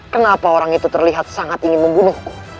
kenapa orang itu terlihat sangat ingin membunuh